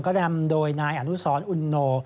ก็นำโดยนายอนุสรอุโน